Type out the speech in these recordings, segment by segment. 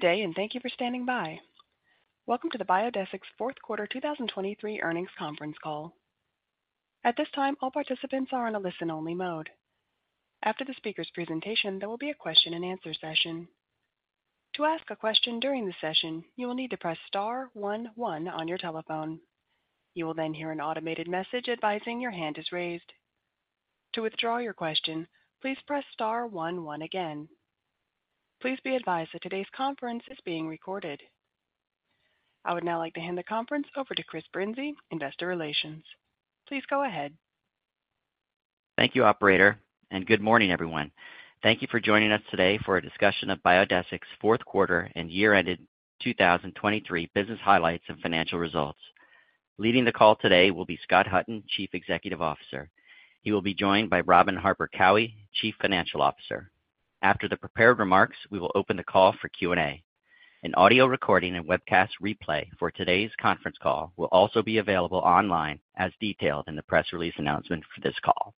Good day, and thank you for standing by. Welcome to the Biodesix Fourth Quarter 2023 Earnings Conference Call. At this time, all participants are in a listen-only mode. After the speaker's presentation, there will be a question-and-answer session. To ask a question during the session, you will need to press star one one on your telephone. You will then hear an automated message advising your hand is raised. To withdraw your question, please press star one one again. Please be advised that today's conference is being recorded. I would now like to hand the conference over to Chris Brinzey, Investor Relations. Please go ahead. Thank you, operator, and good morning, everyone. Thank you for joining us today for a discussion of Biodesix's fourth quarter and year-ended 2023 business highlights and financial results. Leading the call today will be Scott Hutton, Chief Executive Officer. He will be joined by Robin Harper Cowie, Chief Financial Officer. After the prepared remarks, we will open the call for Q&A. An audio recording and webcast replay for today's conference call will also be available online, as detailed in the press release announcement for this call.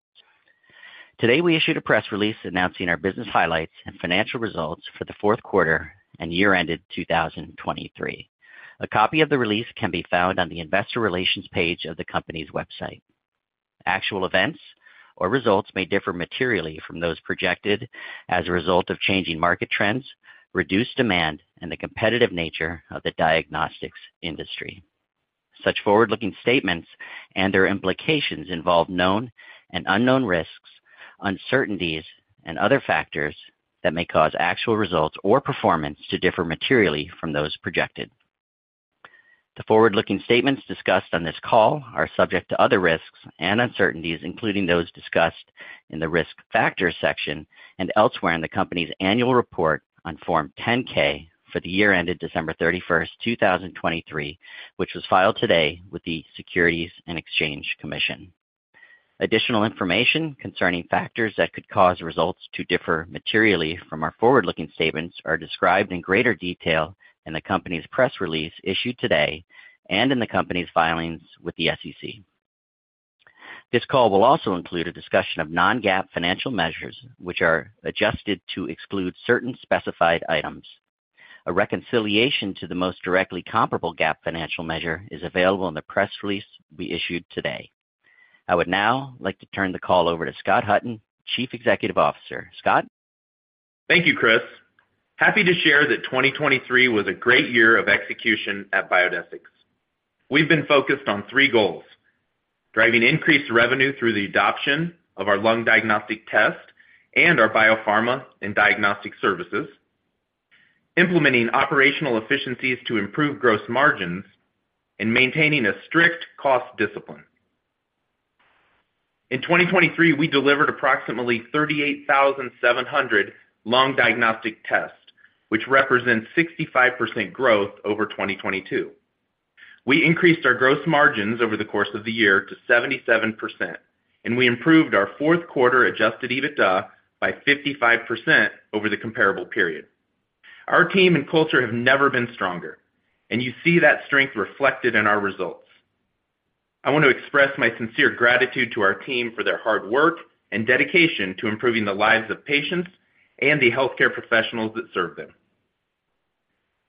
Today, we issued a press release announcing our business highlights and financial results for the fourth quarter and year-ended 2023. A copy of the release can be found on the investor relations page of the company's website. Actual events or results may differ materially from those projected as a result of changing market trends, reduced demand, and the competitive nature of the diagnostics industry. Such forward-looking statements and their implications involve known and unknown risks, uncertainties, and other factors that may cause actual results or performance to differ materially from those projected. The forward-looking statements discussed on this call are subject to other risks and uncertainties, including those discussed in the Risk Factors section and elsewhere in the company's annual report on Form 10-K for the year ended December 31, 2023, which was filed today with the Securities and Exchange Commission. Additional information concerning factors that could cause results to differ materially from our forward-looking statements are described in greater detail in the company's press release issued today and in the company's filings with the SEC. This call will also include a discussion of non-GAAP financial measures, which are adjusted to exclude certain specified items. A reconciliation to the most directly comparable GAAP financial measure is available in the press release we issued today. I would now like to turn the call over to Scott Hutton, Chief Executive Officer. Scott? Thank you, Chris. Happy to share that 2023 was a great year of execution at Biodesix. We've been focused on three goals: driving increased revenue through the adoption of our lung diagnostic test and our biopharma and diagnostic services, implementing operational efficiencies to improve gross margins, and maintaining a strict cost discipline. In 2023, we delivered approximately 38,700 lung diagnostic tests, which represents 65% growth over 2022. We increased our gross margins over the course of the year to 77%, and we improved our fourth quarter Adjusted EBITDA by 55% over the comparable period. Our team and culture have never been stronger, and you see that strength reflected in our results. I want to express my sincere gratitude to our team for their hard work and dedication to improving the lives of patients and the healthcare professionals that serve them.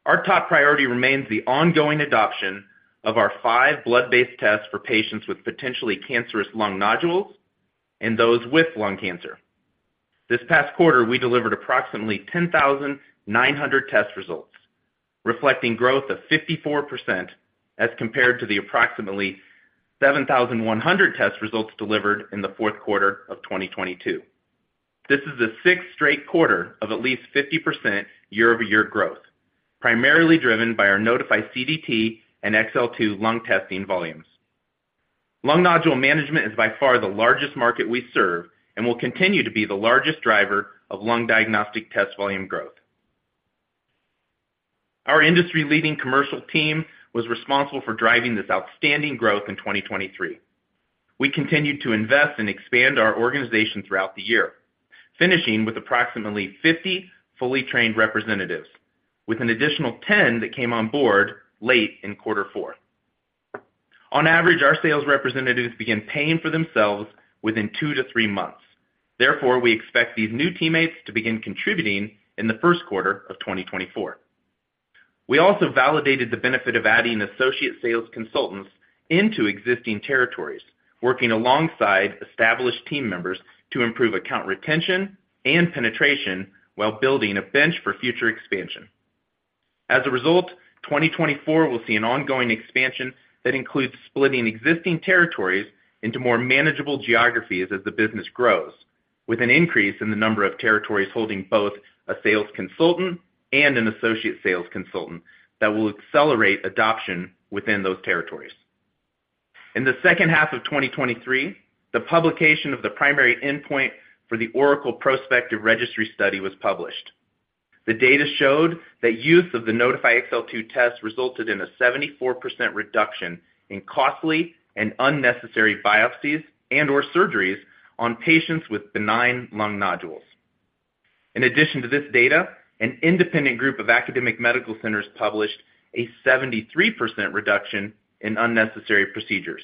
Our top priority remains the ongoing adoption of our five blood-based tests for patients with potentially cancerous lung nodules and those with lung cancer. This past quarter, we delivered approximately 10,900 test results, reflecting growth of 54% as compared to the approximately 7,100 test results delivered in the fourth quarter of 2022. This is the sixth straight quarter of at least 50% year-over-year growth, primarily driven by our Nodify CDT and XL2 lung testing volumes. Lung nodule management is by far the largest market we serve and will continue to be the largest driver of lung diagnostic test volume growth. Our industry-leading commercial team was responsible for driving this outstanding growth in 2023. We continued to invest and expand our organization throughout the year, finishing with approximately 50 fully trained representatives, with an additional 10 that came on board late in quarter four. On average, our sales representatives begin paying for themselves within 2-3 months. Therefore, we expect these new teammates to begin contributing in the first quarter of 2024. We also validated the benefit of adding associate sales consultants into existing territories, working alongside established team members to improve account retention and penetration while building a bench for future expansion. As a result, 2024 will see an ongoing expansion that includes splitting existing territories into more manageable geographies as the business grows, with an increase in the number of territories holding both a sales consultant and an associate sales consultant that will accelerate adoption within those territories. In the second half of 2023, the publication of the primary endpoint for the ORACLE prospective registry study was published. The data showed that use of the Nodify XL2 test resulted in a 74% reduction in costly and unnecessary biopsies and/or surgeries on patients with benign lung nodules. In addition to this data, an independent group of academic medical centers published a 73% reduction in unnecessary procedures...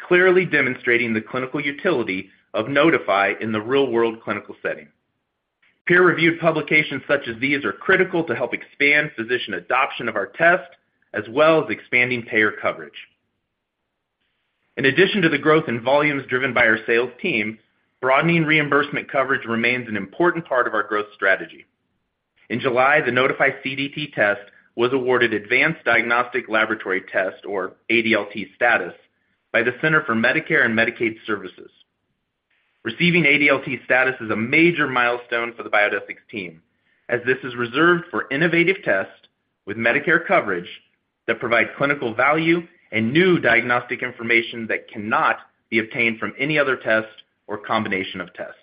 clearly demonstrating the clinical utility of Nodify in the real-world clinical setting. Peer-reviewed publications such as these are critical to help expand physician adoption of our test, as well as expanding payer coverage. In addition to the growth in volumes driven by our sales team, broadening reimbursement coverage remains an important part of our growth strategy. In July, the Nodify CDT test was awarded Advanced Diagnostic Laboratory Test, or ADLT status, by the Centers for Medicare and Medicaid Services. Receiving ADLT status is a major milestone for the Biodesix team, as this is reserved for innovative tests with Medicare coverage that provide clinical value and new diagnostic information that cannot be obtained from any other test or combination of tests.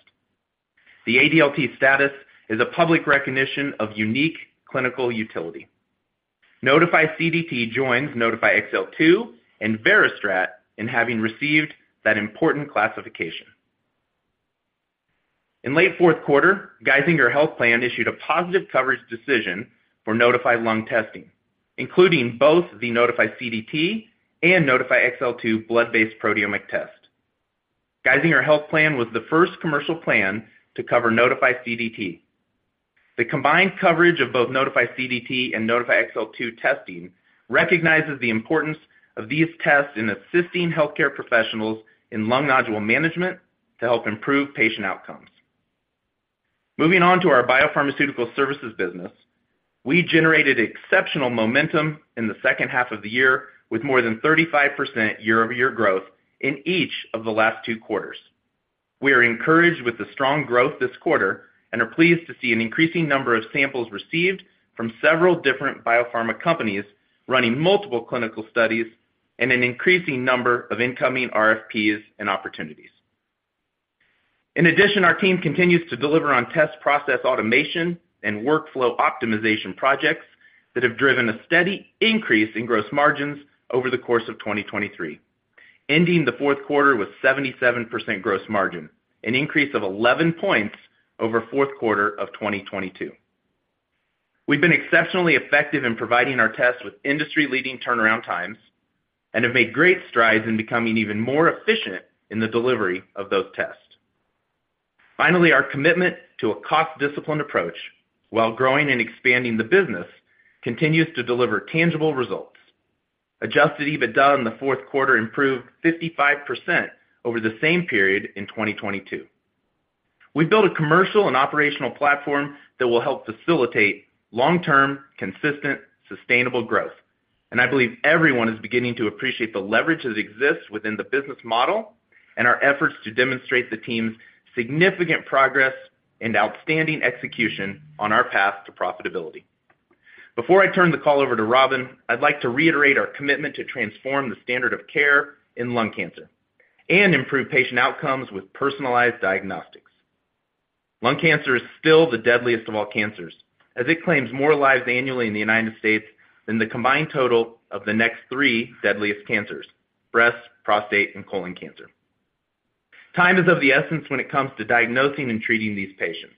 The ADLT status is a public recognition of unique clinical utility. Nodify CDT joins Nodify XL2 and VeriStrat in having received that important classification. In late fourth quarter, Geisinger Health Plan issued a positive coverage decision for Nodify Lung testing, including both the Nodify CDT and Nodify XL2 blood-based proteomic test. Geisinger Health Plan was the first commercial plan to cover Nodify CDT. The combined coverage of both Nodify CDT and Nodify XL2 testing recognizes the importance of these tests in assisting healthcare professionals in lung nodule management to help improve patient outcomes. Moving on to our biopharmaceutical services business, we generated exceptional momentum in the second half of the year, with more than 35% year-over-year growth in each of the last two quarters. We are encouraged with the strong growth this quarter and are pleased to see an increasing number of samples received from several different biopharma companies running multiple clinical studies and an increasing number of incoming RFPs and opportunities. In addition, our team continues to deliver on test process automation and workflow optimization projects that have driven a steady increase in gross margins over the course of 2023, ending the fourth quarter with 77% gross margin, an increase of 11 points over fourth quarter of 2022. We've been exceptionally effective in providing our tests with industry-leading turnaround times and have made great strides in becoming even more efficient in the delivery of those tests. Finally, our commitment to a cost-disciplined approach while growing and expanding the business continues to deliver tangible results. Adjusted EBITDA in the fourth quarter improved 55% over the same period in 2022. We've built a commercial and operational platform that will help facilitate long-term, consistent, sustainable growth, and I believe everyone is beginning to appreciate the leverage that exists within the business model and our efforts to demonstrate the team's significant progress and outstanding execution on our path to profitability. Before I turn the call over to Robin, I'd like to reiterate our commitment to transform the standard of care in lung cancer and improve patient outcomes with personalized diagnostics. Lung cancer is still the deadliest of all cancers, as it claims more lives annually in the United States than the combined total of the next three deadliest cancers: breast, prostate, and colon cancer. Time is of the essence when it comes to diagnosing and treating these patients.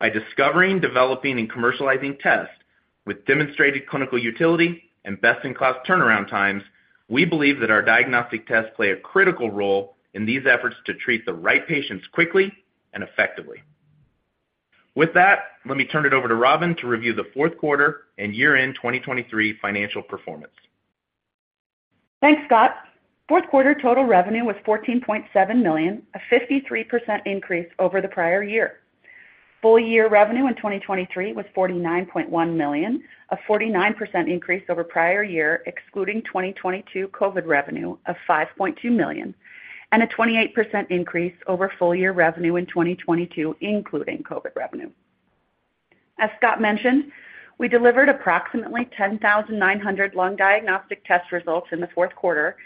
By discovering, developing, and commercializing tests with demonstrated clinical utility and best-in-class turnaround times, we believe that our diagnostic tests play a critical role in these efforts to treat the right patients quickly and effectively. With that, let me turn it over to Robin to review the fourth quarter and year-end 2023 financial performance. Thanks, Scott. Fourth quarter total revenue was $14.7 million, a 53% increase over the prior year. Full year revenue in 2023 was $49.1 million, a 49% increase over prior year, excluding 2022 COVID revenue of $5.2 million, and a 28% increase over full year revenue in 2022, including COVID revenue. As Scott mentioned, we delivered approximately 10,900 lung diagnostic test results in the fourth quarter,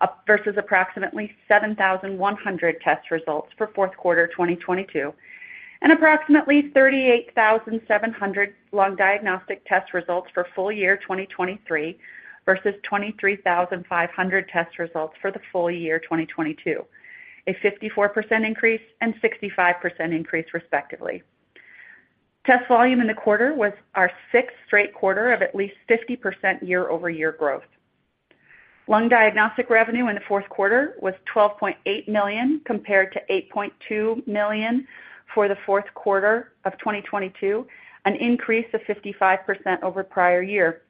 up versus approximately 7,100 test results for fourth quarter 2022, and approximately 38,700 lung diagnostic test results for full year 2023 versus 23,500 test results for the full year 2022, a 54% increase and 65% increase, respectively. Test volume in the quarter was our 6th straight quarter of at least 50% year-over-year growth. Lung diagnostic revenue in the fourth quarter was $12.8 million, compared to $8.2 million for the fourth quarter of 2022, an increase of 55% over prior year.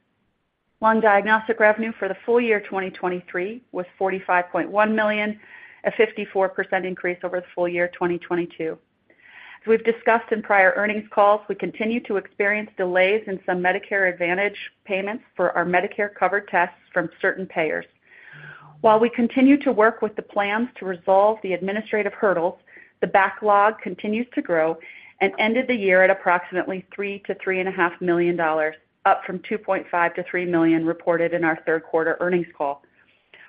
Lung diagnostic revenue for the full year 2023 was $45.1 million, a 54% increase over the full year 2022. As we've discussed in prior earnings calls, we continue to experience delays in some Medicare Advantage payments for our Medicare-covered tests from certain payers. While we continue to work with the plans to resolve the administrative hurdles, the backlog continues to grow and ended the year at approximately $3 million-$3.5 million, up from $2.5 million-$3 million reported in our third quarter earnings call.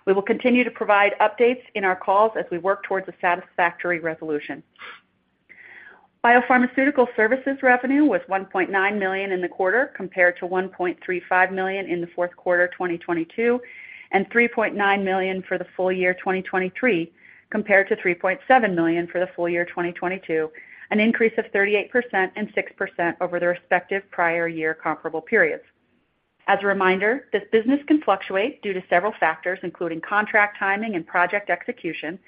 We will continue to provide updates in our calls as we work towards a satisfactory resolution. Biopharmaceutical services revenue was $1.9 million in the quarter, compared to $1.35 million in the fourth quarter of 2022, and $3.9 million for the full year 2023, compared to $3.7 million for the full year 2022, an increase of 38% and 6% over the respective prior year comparable periods. As a reminder, this business can fluctuate due to several factors, including contract timing and project execution.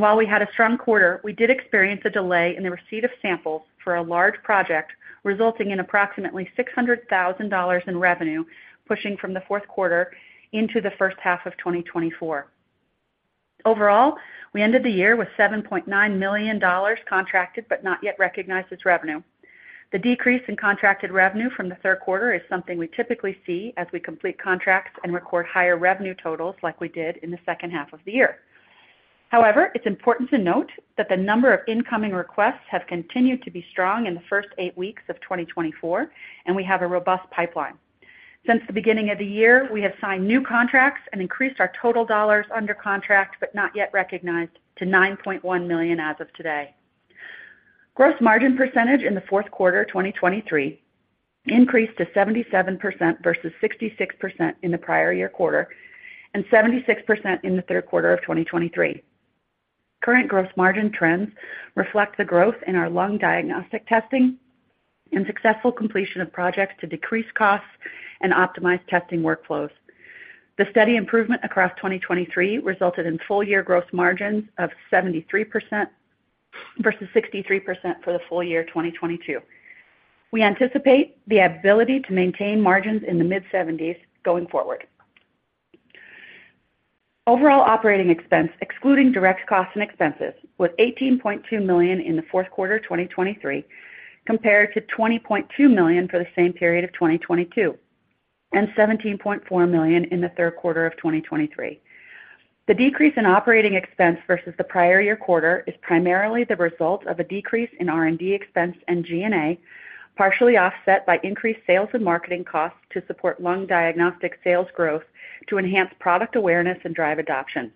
While we had a strong quarter, we did experience a delay in the receipt of samples for a large project, resulting in approximately $600,000 in revenue, pushing from the fourth quarter into the first half of 2024. Overall, we ended the year with $7.9 million contracted, but not yet recognized as revenue. The decrease in contracted revenue from the third quarter is something we typically see as we complete contracts and record higher revenue totals like we did in the second half of the year. However, it's important to note that the number of incoming requests have continued to be strong in the first 8 weeks of 2024, and we have a robust pipeline. Since the beginning of the year, we have signed new contracts and increased our total dollars under contract, but not yet recognized, to $9.1 million as of today. Gross margin percentage in the fourth quarter, 2023, increased to 77% versus 66% in the prior year quarter, and 76% in the third quarter of 2023. Current gross margin trends reflect the growth in our lung diagnostic testing and successful completion of projects to decrease costs and optimize testing workflows. The steady improvement across 2023 resulted in full-year gross margins of 73% versus 63% for the full year 2022. We anticipate the ability to maintain margins in the mid-70s going forward. Overall operating expense, excluding direct costs and expenses, was $18.2 million in the fourth quarter 2023, compared to $20.2 million for the same period of 2022, and $17.4 million in the third quarter of 2023. The decrease in operating expense versus the prior year quarter is primarily the result of a decrease in R&D expense and G&A, partially offset by increased sales and marketing costs to support lung diagnostic sales growth to enhance product awareness and drive adoption.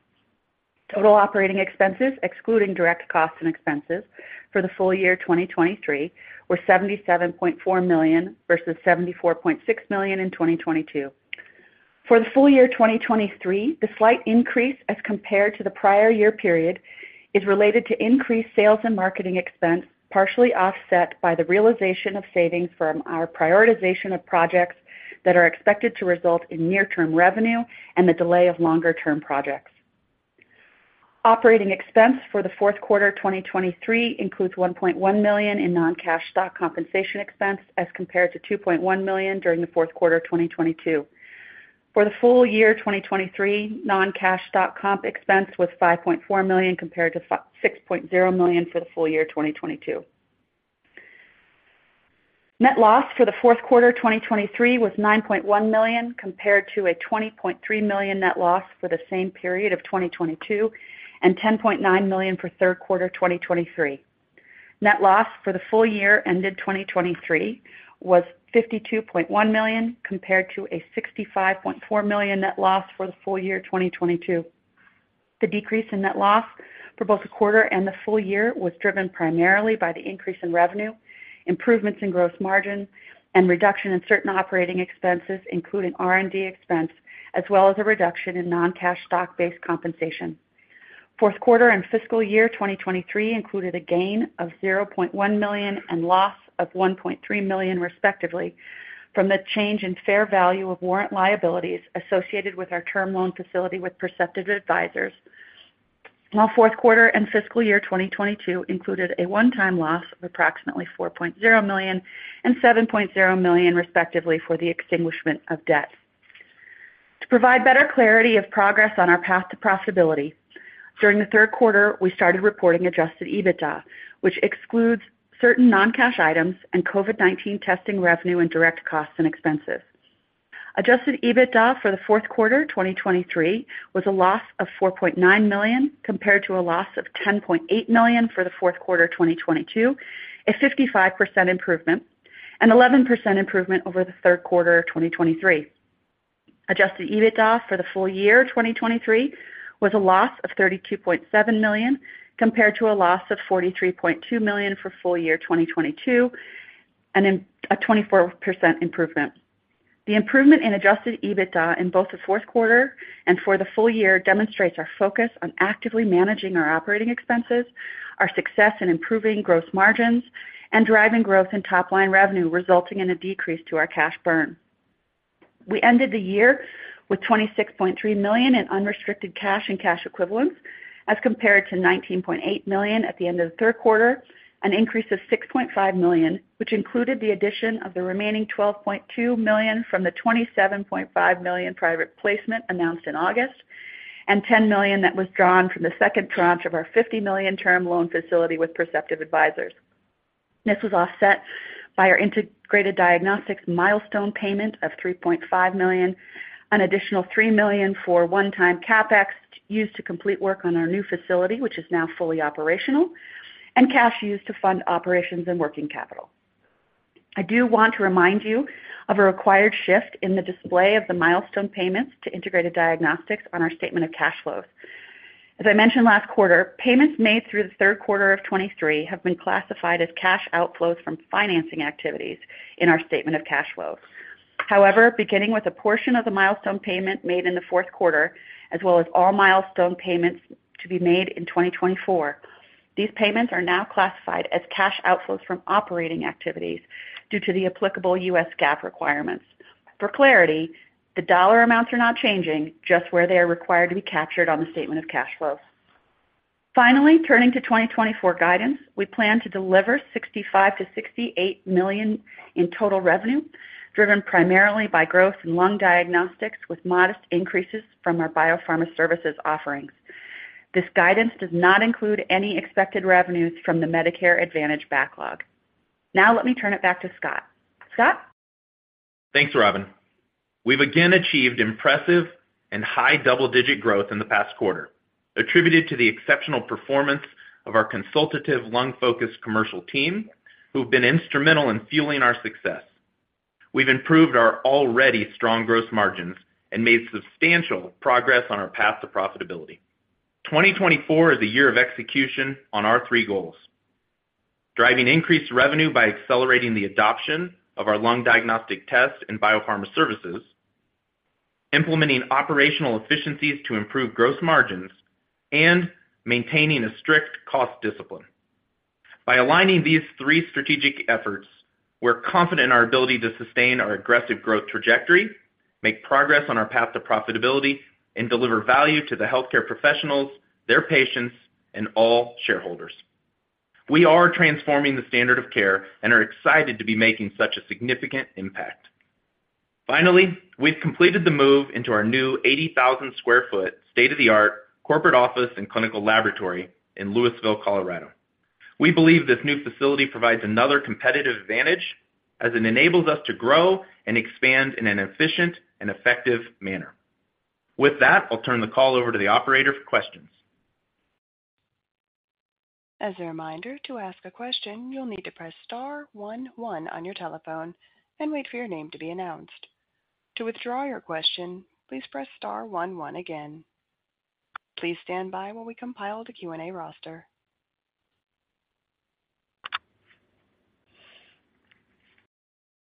Total operating expenses, excluding direct costs and expenses for the full year 2023, were $77.4 million versus $74.6 million in 2022. For the full year 2023, the slight increase as compared to the prior year period is related to increased sales and marketing expense, partially offset by the realization of savings from our prioritization of projects that are expected to result in near-term revenue and the delay of longer-term projects. Operating expense for the fourth quarter 2023 includes $1.1 million in non-cash stock compensation expense, as compared to $2.1 million during the fourth quarter 2022. For the full year 2023, non-cash stock comp expense was $5.4 million, compared to $6.0 million for the full year 2022. Net loss for the fourth quarter 2023 was $9.1 million, compared to a $20.3 million net loss for the same period of 2022, and $10.9 million for third quarter 2023. Net loss for the full year ended 2023 was $52.1 million, compared to a $65.4 million net loss for the full year 2022. The decrease in net loss for both the quarter and the full year was driven primarily by the increase in revenue, improvements in gross margin, and reduction in certain operating expenses, including R&D expense, as well as a reduction in non-cash stock-based compensation. Fourth quarter and fiscal year 2023 included a gain of $0.1 million and loss of $1.3 million, respectively, from the change in fair value of warrant liabilities associated with our term loan facility with Perceptive Advisors. While fourth quarter and fiscal year 2022 included a one-time loss of approximately $4.0 million and $7.0 million, respectively, for the extinguishment of debt. To provide better clarity of progress on our path to profitability, during the third quarter, we started reporting Adjusted EBITDA, which excludes certain non-cash items and COVID-19 testing revenue and direct costs and expenses. Adjusted EBITDA for the fourth quarter, 2023, was a loss of $4.9 million, compared to a loss of $10.8 million for the fourth quarter, 2022, a 55% improvement and 11% improvement over the third quarter of 2023. Adjusted EBITDA for the full year, 2023, was a loss of $32.7 million, compared to a loss of $43.2 million for full year, 2022, and a 24% improvement. The improvement in Adjusted EBITDA in both the fourth quarter and for the full year demonstrates our focus on actively managing our operating expenses, our success in improving gross margins, and driving growth in top-line revenue, resulting in a decrease to our cash burn. We ended the year with $26.3 million in unrestricted cash and cash equivalents, as compared to $19.8 million at the end of the third quarter, an increase of $6.5 million, which included the addition of the remaining $12.2 million from the $27.5 million private placement announced in August, and $10 million that was drawn from the second tranche of our $50 million term loan facility with Perceptive Advisors. This was offset by our Integrated Diagnostics milestone payment of $3.5 million, an additional $3 million for one-time CapEx used to complete work on our new facility, which is now fully operational, and cash used to fund operations and working capital. I do want to remind you of a required shift in the display of the milestone payments to Integrated Diagnostics on our statement of cash flows. As I mentioned last quarter, payments made through the third quarter of 2023 have been classified as cash outflows from financing activities in our statement of cash flows. However, beginning with a portion of the milestone payment made in the fourth quarter, as well as all milestone payments to be made in 2024... These payments are now classified as cash outflows from operating activities due to the applicable U.S. GAAP requirements. For clarity, the dollar amounts are not changing, just where they are required to be captured on the statement of cash flows. Finally, turning to 2024 guidance. We plan to deliver $65 million-$68 million in total revenue, driven primarily by growth in lung diagnostics, with modest increases from our biopharma services offerings. This guidance does not include any expected revenues from the Medicare Advantage backlog. Now let me turn it back to Scott. Scott? Thanks, Robin. We've again achieved impressive and high double-digit growth in the past quarter, attributed to the exceptional performance of our consultative lung-focused commercial team, who've been instrumental in fueling our success. We've improved our already strong gross margins and made substantial progress on our path to profitability. 2024 is a year of execution on our three goals: driving increased revenue by accelerating the adoption of our lung diagnostic tests and biopharma services, implementing operational efficiencies to improve gross margins, and maintaining a strict cost discipline. By aligning these three strategic efforts, we're confident in our ability to sustain our aggressive growth trajectory, make progress on our path to profitability, and deliver value to the healthcare professionals, their patients, and all shareholders. We are transforming the standard of care and are excited to be making such a significant impact. Finally, we've completed the move into our new 80,000 sq ft, state-of-the-art corporate office and clinical laboratory in Louisville, Colorado. We believe this new facility provides another competitive advantage as it enables us to grow and expand in an efficient and effective manner. With that, I'll turn the call over to the operator for questions. As a reminder, to ask a question, you'll need to press star one one on your telephone and wait for your name to be announced. To withdraw your question, please press star one one again. Please stand by while we compile the Q&A roster.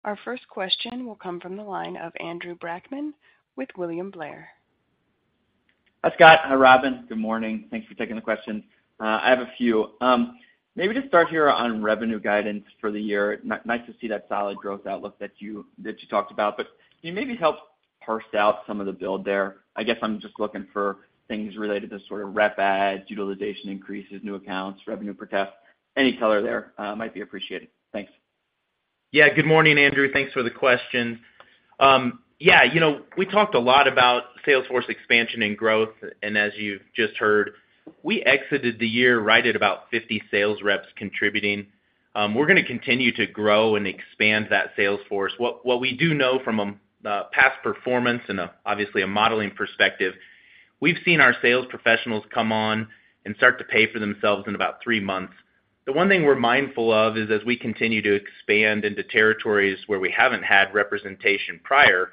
Our first question will come from the line of Andrew Brackmann with William Blair. Hi, Scott. Hi, Robin. Good morning. Thanks for taking the questions. I have a few. Maybe just start here on revenue guidance for the year. Nice to see that solid growth outlook that you, that you talked about, but can you maybe help parse out some of the build there? I guess I'm just looking for things related to sort of rep adds, utilization increases, new accounts, revenue per test. Any color there might be appreciated. Thanks. Yeah. Good morning, Andrew. Thanks for the question. Yeah, you know, we talked a lot about sales force expansion and growth, and as you've just heard, we exited the year right at about 50 sales reps contributing. We're going to continue to grow and expand that sales force. What we do know from a past performance and obviously a modeling perspective, we've seen our sales professionals come on and start to pay for themselves in about 3 months. The one thing we're mindful of is as we continue to expand into territories where we haven't had representation prior,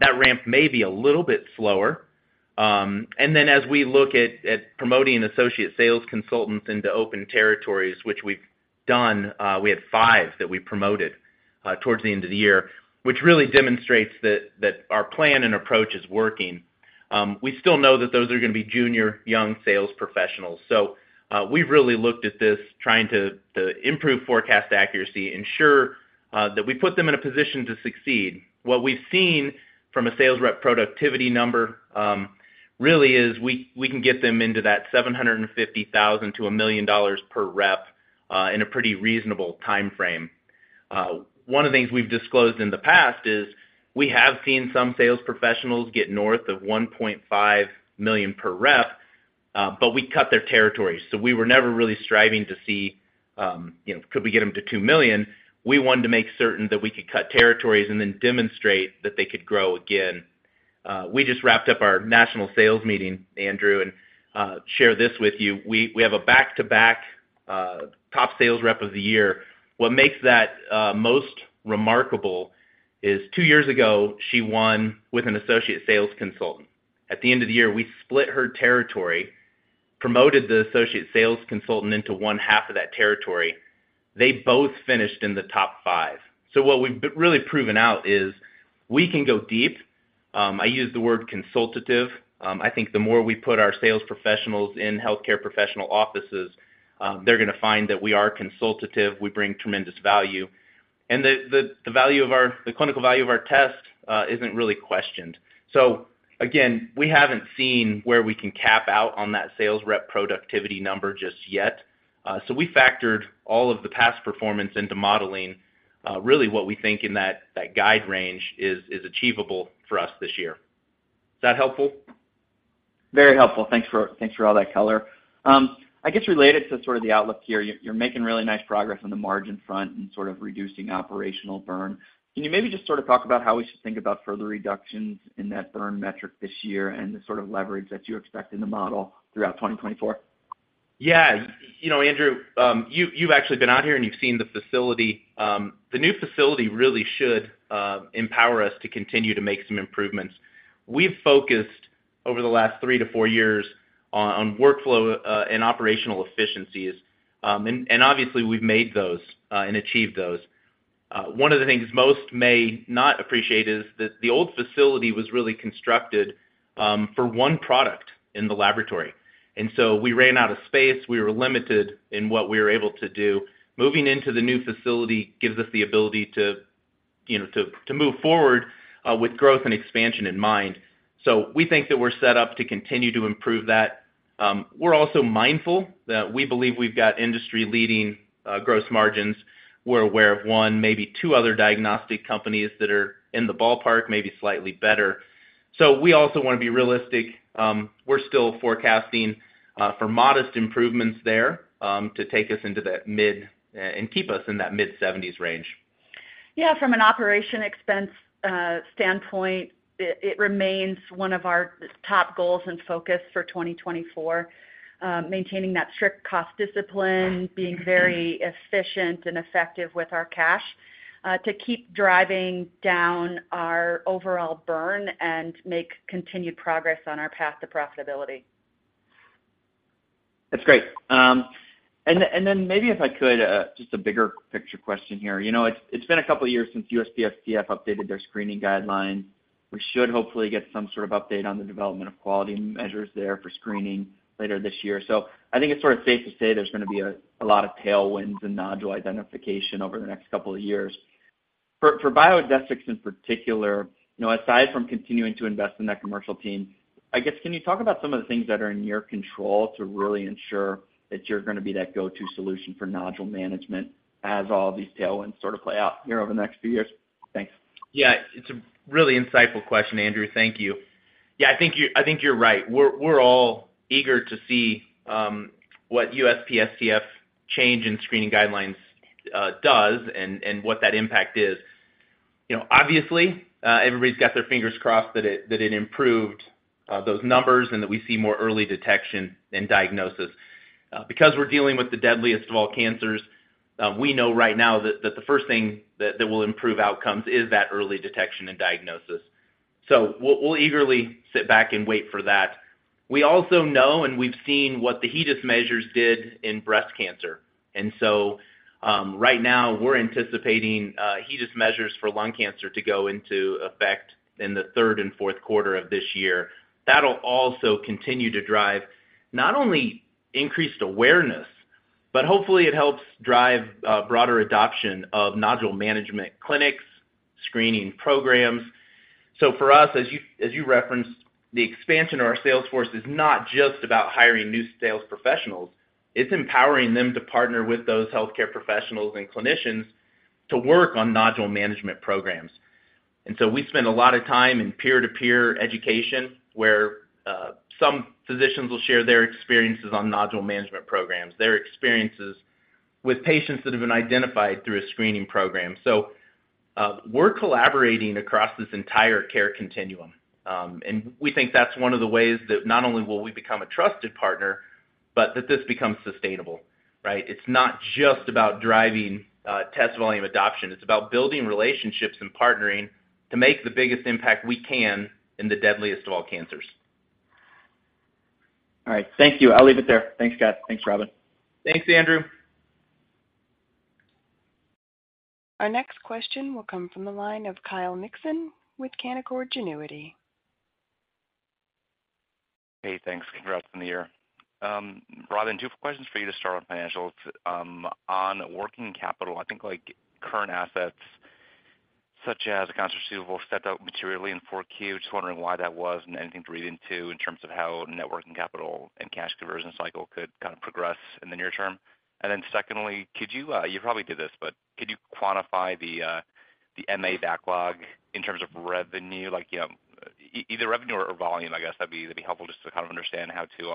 that ramp may be a little bit slower. And then as we look at promoting associate sales consultants into open territories, which we've done, we had five that we promoted towards the end of the year, which really demonstrates that our plan and approach is working. We still know that those are going to be junior, young sales professionals. So, we've really looked at this, trying to improve forecast accuracy, ensure that we put them in a position to succeed. What we've seen from a sales rep productivity number really is we can get them into that $750,000-$1 million per rep in a pretty reasonable timeframe. One of the things we've disclosed in the past is, we have seen some sales professionals get north of $1.5 million per rep, but we cut their territories, so we were never really striving to see, you know, could we get them to $2 million? We wanted to make certain that we could cut territories and then demonstrate that they could grow again. We just wrapped up our national sales meeting, Andrew, and share this with you. We have a back-to-back top sales rep of the year. What makes that most remarkable is two years ago, she won with an associate sales consultant. At the end of the year, we split her territory, promoted the associate sales consultant into one half of that territory. They both finished in the top five. So what we've really proven out is we can go deep. I use the word consultative. I think the more we put our sales professionals in healthcare professional offices, they're going to find that we are consultative, we bring tremendous value, and the value of our test, the clinical value of our test, isn't really questioned. So again, we haven't seen where we can cap out on that sales rep productivity number just yet. So we factored all of the past performance into modeling, really what we think in that guide range is achievable for us this year. Is that helpful? Very helpful. Thanks for, thanks for all that color. I guess related to sort of the outlook here, you're making really nice progress on the margin front and sort of reducing operational burn. Can you maybe just sort of talk about how we should think about further reductions in that burn metric this year and the sort of leverage that you expect in the model throughout 2024? Yeah. You know, Andrew, you've actually been out here, and you've seen the facility. The new facility really should empower us to continue to make some improvements. We've focused over the last 3-4 years on workflow and operational efficiencies. And obviously, we've made those and achieved those. One of the things most may not appreciate is that the old facility was really constructed for one product in the laboratory. And so we ran out of space. We were limited in what we were able to do. Moving into the new facility gives us the ability to, you know, to move forward with growth and expansion in mind. So we think that we're set up to continue to improve that. We're also mindful that we believe we've got industry-leading gross margins. We're aware of one, maybe two other diagnostic companies that are in the ballpark, maybe slightly better. So we also want to be realistic. We're still forecasting for modest improvements there to take us into that mid and keep us in that mid-seventies range. Yeah, from an operating expense standpoint, it remains one of our top goals and focus for 2024. Maintaining that strict cost discipline, being very efficient and effective with our cash, to keep driving down our overall burn and make continued progress on our path to profitability. That's great. And then maybe if I could just a bigger picture question here. You know, it's been a couple of years since USPSTF updated their screening guideline. We should hopefully get some sort of update on the development of quality measures there for screening later this year. So I think it's sort of safe to say there's going to be a lot of tailwinds and nodule identification over the next couple of years. For Biodesix in particular, you know, aside from continuing to invest in that commercial team, I guess, can you talk about some of the things that are in your control to really ensure that you're going to be that go-to solution for nodule management as all these tailwinds sort of play out here over the next few years? Thanks. Yeah, it's a really insightful question, Andrew. Thank you. Yeah, I think you're right. We're all eager to see what USPSTF change in screening guidelines does and what that impact is. You know, obviously, everybody's got their fingers crossed that it improved those numbers and that we see more early detection and diagnosis. Because we're dealing with the deadliest of all cancers, we know right now that the first thing that will improve outcomes is that early detection and diagnosis. So we'll eagerly sit back and wait for that. We also know, and we've seen what the HEDIS measures did in breast cancer, and so right now, we're anticipating HEDIS measures for lung cancer to go into effect in the third and fourth quarter of this year. That'll also continue to drive not only increased awareness, but hopefully it helps drive broader adoption of nodule management clinics, screening programs. So for us, as you, as you referenced, the expansion of our sales force is not just about hiring new sales professionals, it's empowering them to partner with those healthcare professionals and clinicians to work on nodule management programs. And so we spend a lot of time in peer-to-peer education, where some physicians will share their experiences on nodule management programs, their experiences with patients that have been identified through a screening program. So, we're collaborating across this entire care continuum, and we think that's one of the ways that not only will we become a trusted partner, but that this becomes sustainable, right? It's not just about driving test volume adoption. It's about building relationships and partnering to make the biggest impact we can in the deadliest of all cancers. All right. Thank you. I'll leave it there. Thanks, Scott. Thanks, Robin. Thanks, Andrew. Our next question will come from the line of Kyle Mikson with Canaccord Genuity. Hey, thanks. Congrats on the year. Robin, two questions for you to start on financials. On working capital, I think, like, current assets, such as accounts receivable, stepped out materially in Q4. Just wondering why that was and anything to read into in terms of how net working capital and cash conversion cycle could kind of progress in the near term. And then secondly, could you, you probably did this, but could you quantify the MA backlog in terms of revenue? Like, you know, either revenue or volume, I guess that'd be, that'd be helpful just to kind of understand how to, you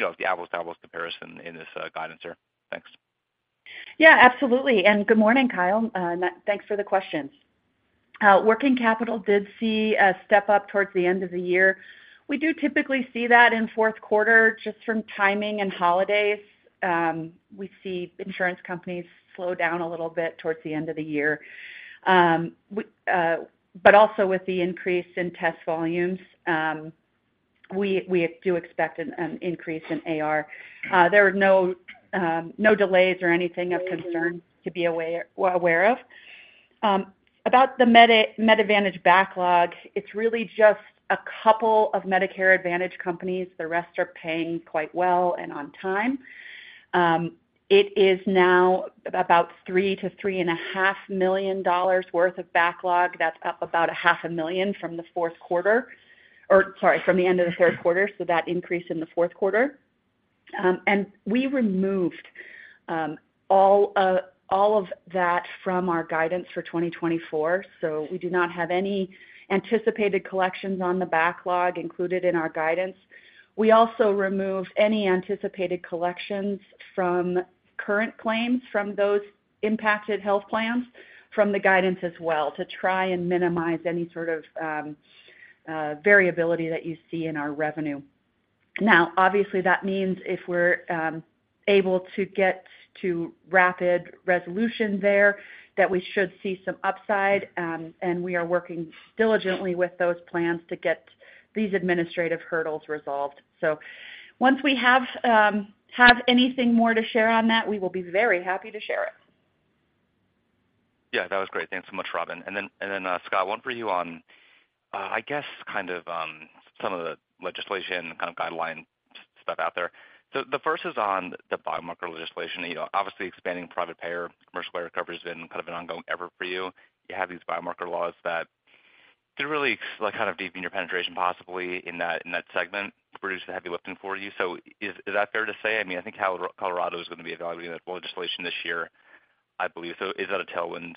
know, the apples-to-apples comparison in this guidance year. Thanks. Yeah, absolutely. And good morning, Kyle, and thanks for the questions. Working capital did see a step up towards the end of the year. We do typically see that in fourth quarter, just from timing and holidays. We see insurance companies slow down a little bit towards the end of the year. But also with the increase in test volumes, we do expect an increase in AR. There are no delays or anything of concern to be aware of. About the Medicare Advantage backlog, it's really just a couple of Medicare Advantage companies. The rest are paying quite well and on time. It is now about $3million-$3.5 million worth of backlog. That's up about $500,000 from the fourth quarter, or sorry, from the end of the third quarter, so that increased in the fourth quarter. We removed all of that from our guidance for 2024, so we do not have any anticipated collections on the backlog included in our guidance. We also remove any anticipated collections from current claims from those impacted health plans, from the guidance as well, to try and minimize any sort of variability that you see in our revenue. Now, obviously, that means if we're able to get to rapid resolution there, that we should see some upside, and we are working diligently with those plans to get these administrative hurdles resolved. So once we have anything more to share on that, we will be very happy to share it. Yeah, that was great. Thanks so much, Robin. And then, Scott, one for you on, I guess kind of, some of the legislation kind of guideline stuff out there. So the first is on the biomarker legislation. You know, obviously, expanding private payer, commercial payer coverage has been kind of an ongoing effort for you. You have these biomarker laws that could really, like, kind of deepen your penetration, possibly in that, in that segment, produce the heavy lifting for you. So is, is that fair to say? I mean, I think Colorado is going to be evaluating that legislation this year, I believe. So is that a tailwind,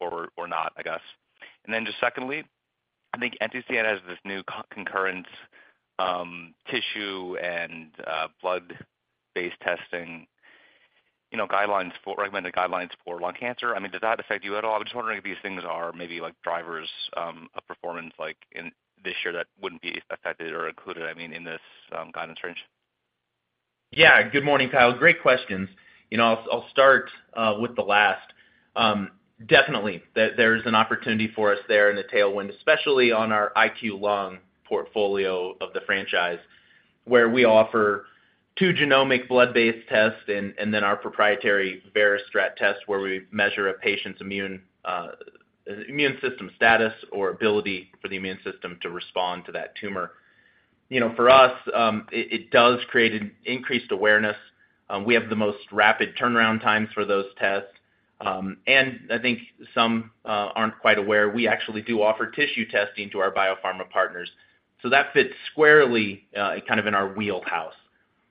or, or not, I guess? And then just secondly, I think NCCN has this new concurrence, tissue and, blood-based testing, you know, guidelines for-- recommended guidelines for lung cancer. I mean, does that affect you at all? I'm just wondering if these things are maybe like drivers of performance, like in this year, that wouldn't be affected or included, I mean, in this guidance range. Yeah. Good morning, Kyle. Great questions. You know, I'll start with the last. Definitely there is an opportunity for us there in the tailwind, especially on our IQLung portfolio of the franchise, where we offer two genomic blood-based tests and then our proprietary VeriStrat test, where we measure a patient's immune system status or ability for the immune system to respond to that tumor. You know, for us, it does create an increased awareness. We have the most rapid turnaround times for those tests. And I think some aren't quite aware, we actually do offer tissue testing to our biopharma partners, so that fits squarely kind of in our wheelhouse.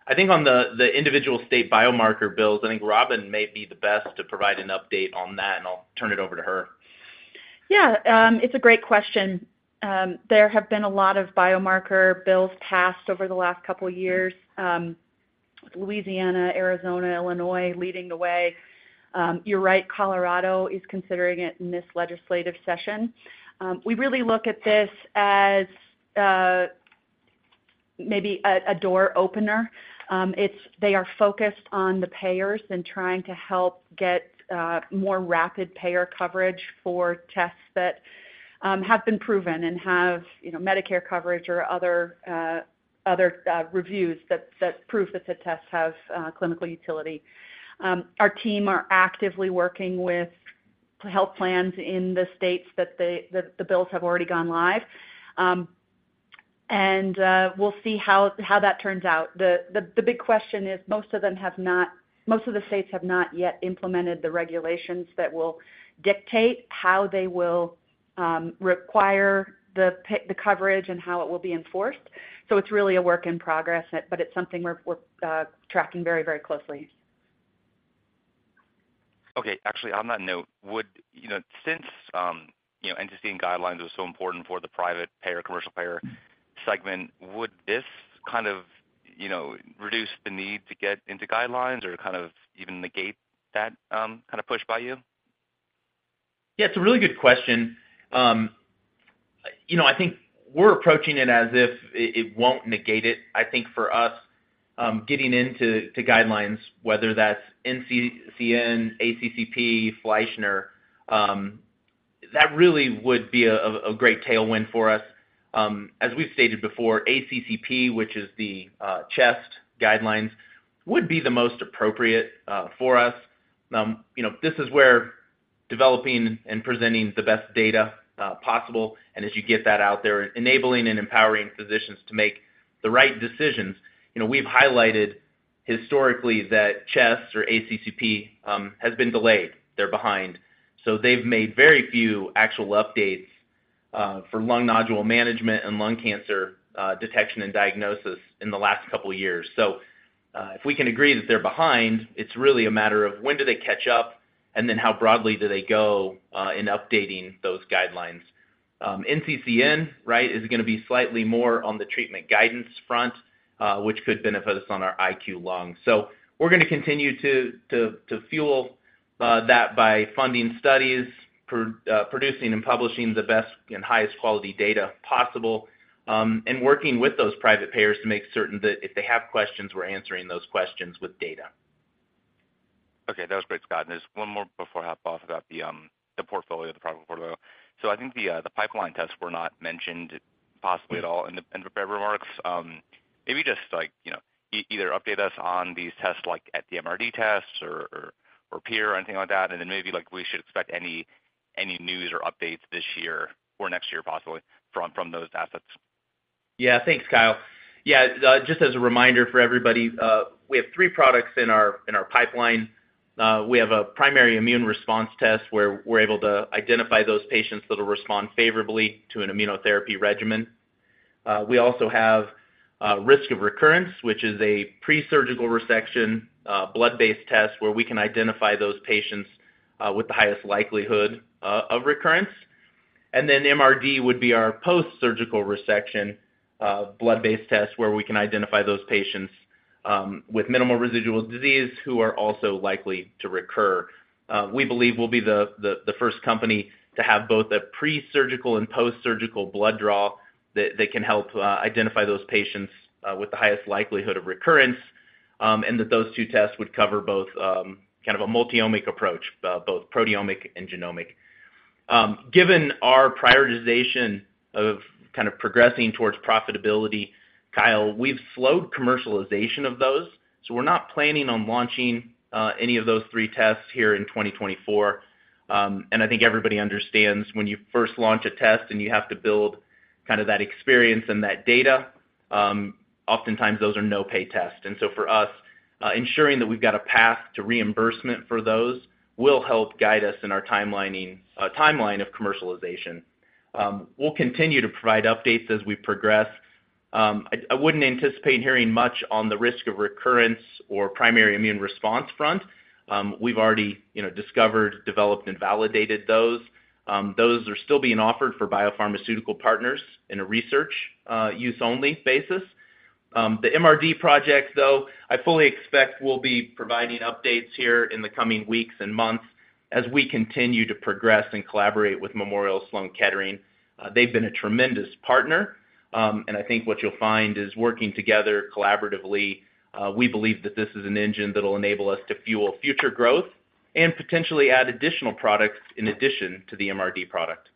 I think on the individual state biomarker bills, I think Robin may be the best to provide an update on that, and I'll turn it over to her. Yeah, it's a great question. There have been a lot of biomarker bills passed over the last couple of years, with Louisiana, Arizona, Illinois leading the way. You're right, Colorado is considering it in this legislative session. We really look at this as maybe a door opener. They are focused on the payers and trying to help get more rapid payer coverage for tests that have been proven and have, you know, Medicare coverage or other reviews that prove that the tests have clinical utility. Our team are actively working with health plans in the states that the bills have already gone live, and we'll see how that turns out. The big question is, most of the states have not yet implemented the regulations that will dictate how they will require the coverage and how it will be enforced. So it's really a work in progress, but it's something we're tracking very, very closely. Okay. Actually, on that note, would... You know, since, you know, NCCN guidelines was so important for the private payer, commercial payer segment, would this kind of, you know, reduce the need to get into guidelines or kind of even negate that, kind of push by you? Yeah, it's a really good question. You know, I think we're approaching it as if it won't negate it. I think for us, getting into the guidelines, whether that's NCCN, ACCP, Fleischner, that really would be a great tailwind for us. As we've stated before, ACCP, which is the CHEST guidelines, would be the most appropriate for us. You know, this is where developing and presenting the best data possible, and as you get that out there, enabling and empowering physicians to make the right decisions. You know, we've highlighted historically that CHEST or ACCP has been delayed. They're behind. So they've made very few actual updates for lung nodule management and lung cancer detection and diagnosis in the last couple of years. So, if we can agree that they're behind, it's really a matter of when do they catch up and then how broadly do they go in updating those guidelines. NCCN, right, is gonna be slightly more on the treatment guidance front, which could benefit us on our IQLung. So we're gonna continue to fuel that by funding studies, producing and publishing the best and highest quality data possible, and working with those private payers to make certain that if they have questions, we're answering those questions with data. Okay. That was great, Scott. And there's one more before I hop off about the, the portfolio, the product portfolio. So I think the, the pipeline tests were not mentioned possibly at all in the prepared remarks. Maybe just like, you know, either update us on these tests, like at the MRD tests or, or, or PIR or anything like that, and then maybe, like, we should expect any, any news or updates this year or next year, possibly from, from those assets. Yeah. Thanks, Kyle. Yeah, just as a reminder for everybody, we have three products in our pipeline. We have a Primary Immune Response test, where we're able to identify those patients that will respond favorably to an immunotherapy regimen. We also have Risk of Recurrence, which is a pre-surgical resection blood-based test, where we can identify those patients with the highest likelihood of recurrence. And then MRD would be our post-surgical resection blood-based test, where we can identify those patients with minimal residual disease who are also likely to recur. We believe we'll be the first company to have both a pre-surgical and post-surgical blood draw that can help identify those patients with the highest likelihood of recurrence. that those two tests would cover both, kind of a multi-omic approach, both proteomic and genomic. Given our prioritization of kind of progressing towards profitability, Kyle, we've slowed commercialization of those, so we're not planning on launching any of those three tests here in 2024. I think everybody understands when you first launch a test and you have to build kind of that experience and that data, oftentimes those are no-pay tests. So for us, ensuring that we've got a path to reimbursement for those will help guide us in our timelining, timeline of commercialization. We'll continue to provide updates as we progress. I wouldn't anticipate hearing much on the risk of recurrence or primary immune response front. We've already, you know, discovered, developed, and validated those. Those are still being offered for biopharmaceutical partners in a research use only basis. The MRD project, though, I fully expect we'll be providing updates here in the coming weeks and months as we continue to progress and collaborate with Memorial Sloan Kettering. They've been a tremendous partner, and I think what you'll find is working together collaboratively, we believe that this is an engine that will enable us to fuel future growth and potentially add additional products in addition to the MRD product.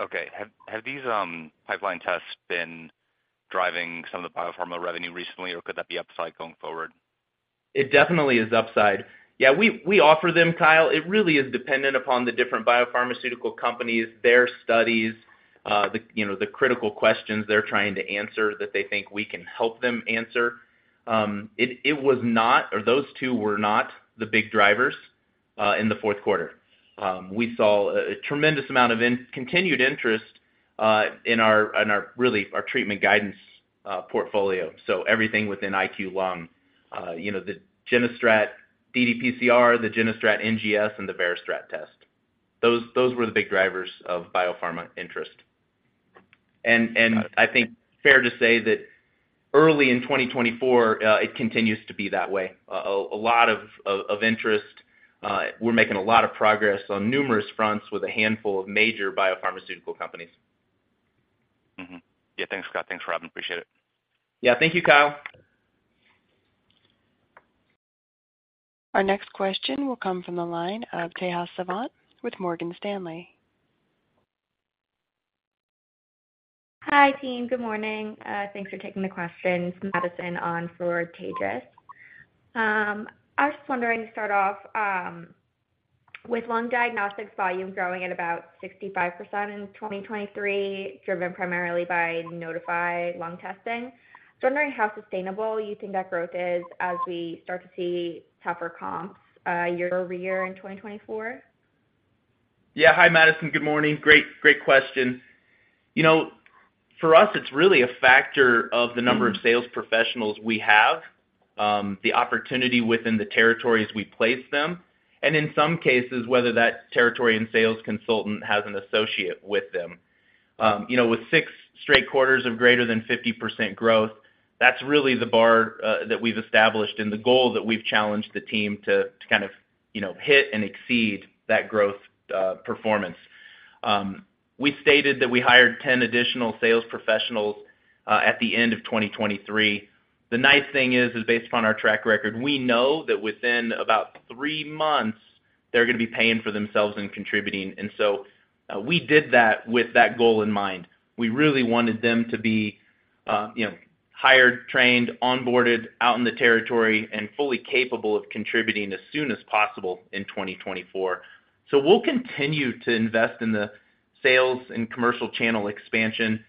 Okay. Have these pipeline tests been driving some of the biopharma revenue recently, or could that be upside going forward? It definitely is upside. Yeah, we offer them, Kyle. It really is dependent upon the different biopharmaceutical companies, their studies, you know, the critical questions they're trying to answer that they think we can help them answer. It was not, or those two were not the big drivers in the fourth quarter. We saw a tremendous amount of continued interest in our really our treatment guidance portfolio. So everything within IQLung, you know, the GeneStrat ddPCR, the GeneStrat NGS, and the VeriStrat test. Those were the big drivers of biopharma interest. And I think fair to say that early in 2024, it continues to be that way. A lot of interest. We're making a lot of progress on numerous fronts with a handful of major biopharmaceutical companies. Mm-hmm. Yeah, thanks, Scott. Thanks for having me. Appreciate it. Yeah, thank you, Kyle. Our next question will come from the line of Tejas Savant with Morgan Stanley. Hi, team. Good morning. Thanks for taking the questions, Madison on for Tejas. I was just wondering, to start off, with lung diagnostics volume growing at about 65% in 2023, driven primarily by Nodify Lung testing. Just wondering how sustainable you think that growth is as we start to see tougher comps, year-over-year in 2024? Yeah. Hi, Madison. Good morning. Great, great question. You know, for us, it's really a factor of the number of sales professionals we have, the opportunity within the territories we place them, and in some cases, whether that territory and sales consultant has an associate with them. You know, with 6 straight quarters of greater than 50% growth, that's really the bar that we've established and the goal that we've challenged the team to, to kind of, you know, hit and exceed that growth performance. We stated that we hired 10 additional sales professionals at the end of 2023. The nice thing is, is based upon our track record, we know that within about 3 months, they're gonna be paying for themselves and contributing, and so, we did that with that goal in mind. We really wanted them to be, you know, hired, trained, onboarded, out in the territory and fully capable of contributing as soon as possible in 2024. So we'll continue to invest in the sales and commercial channel expansion.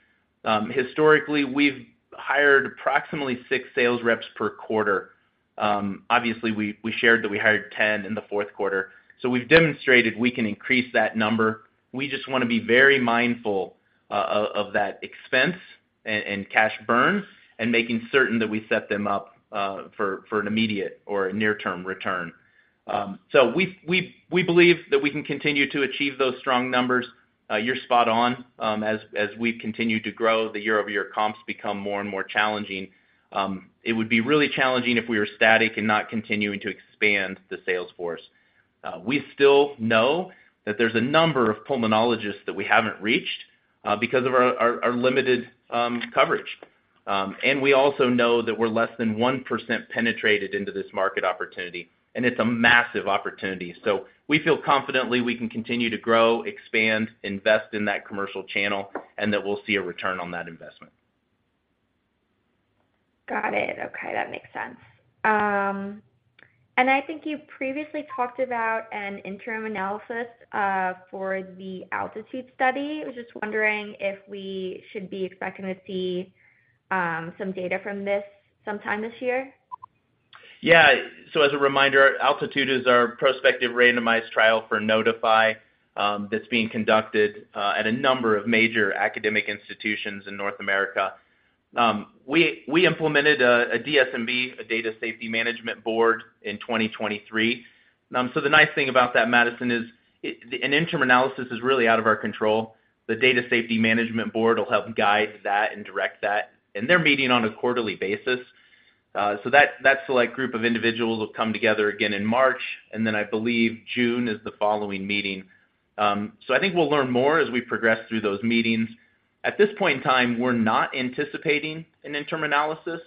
Historically, we've hired approximately six sales reps per quarter. Obviously, we shared that we hired 10 in the fourth quarter, so we've demonstrated we can increase that number. We just wanna be very mindful of that expense and cash burn, and making certain that we set them up for an immediate or a near-term return. So we believe that we can continue to achieve those strong numbers. You're spot on. As we've continued to grow, the year-over-year comps become more and more challenging. It would be really challenging if we were static and not continuing to expand the sales force. We still know that there's a number of pulmonologists that we haven't reached, because of our limited coverage. And we also know that we're less than 1% penetrated into this market opportunity, and it's a massive opportunity. So we feel confidently we can continue to grow, expand, invest in that commercial channel, and that we'll see a return on that investment. Got it. Okay, that makes sense. I think you previously talked about an interim analysis for the ALTITUDE study. I was just wondering if we should be expecting to see some data from this sometime this year? Yeah. So as a reminder, ALTITUDE is our prospective randomized trial for Nodify, that's being conducted at a number of major academic institutions in North America. We implemented a DSMB, a Data Safety Monitoring Board, in 2023. So the nice thing about that, Madison, is it - an interim analysis is really out of our control. The Data Safety Monitoring Board will help guide that and direct that, and they're meeting on a quarterly basis. So that select group of individuals will come together again in March, and then I believe June is the following meeting. So I think we'll learn more as we progress through those meetings. At this point in time, we're not anticipating an interim analysis,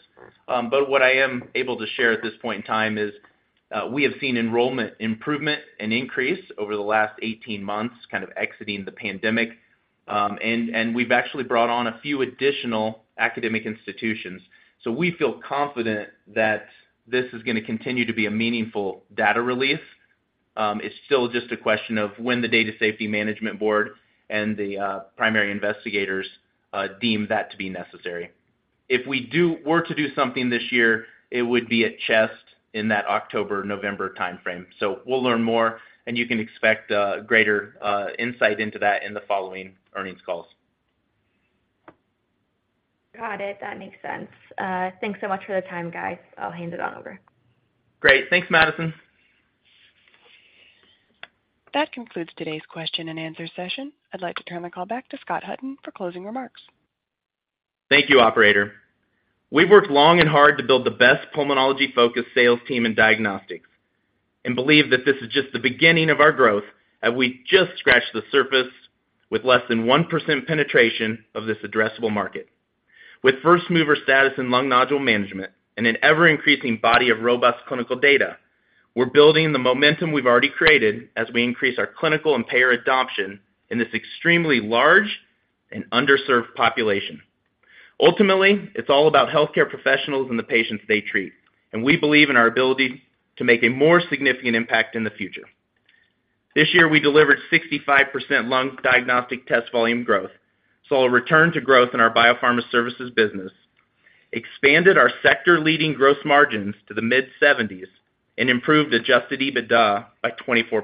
but what I am able to share at this point in time is, we have seen enrollment improvement and increase over the last 18 months, kind of exiting the pandemic. And we've actually brought on a few additional academic institutions. So we feel confident that this is gonna continue to be a meaningful data relief. It's still just a question of when the Data Safety Monitoring Board and the primary investigators deem that to be necessary. If we were to do something this year, it would be at CHEST in that October-November timeframe. So we'll learn more, and you can expect greater insight into that in the following earnings calls. Got it. That makes sense. Thanks so much for the time, guys. I'll hand it on over. Great. Thanks, Madison. That concludes today's question and answer session. I'd like to turn the call back to Scott Hutton for closing remarks. Thank you, operator. We've worked long and hard to build the best pulmonology-focused sales team in diagnostics, and believe that this is just the beginning of our growth, as we just scratched the surface with less than 1% penetration of this addressable market. With first mover status in lung nodule management and an ever-increasing body of robust clinical data, we're building the momentum we've already created as we increase our clinical and payer adoption in this extremely large and underserved population. Ultimately, it's all about healthcare professionals and the patients they treat, and we believe in our ability to make a more significant impact in the future. This year, we delivered 65% lung diagnostic test volume growth, saw a return to growth in our biopharma services business, expanded our sector-leading gross margins to the mid-seventies, and improved Adjusted EBITDA by 24%.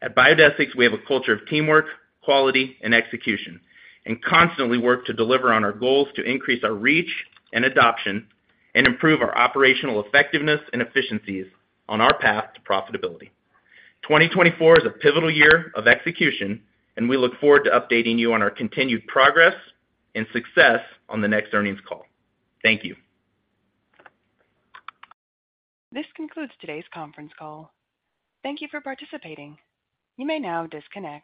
At Biodesix, we have a culture of teamwork, quality, and execution, and constantly work to deliver on our goals to increase our reach and adoption and improve our operational effectiveness and efficiencies on our path to profitability. 2024 is a pivotal year of execution, and we look forward to updating you on our continued progress and success on the next earnings call. Thank you. This concludes today's conference call. Thank you for participating. You may now disconnect.